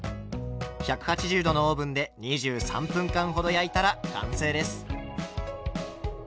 １８０℃のオーブンで２３分間ほど焼いたら完成です。